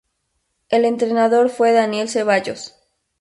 El entrenador fue Daniel Zeballos.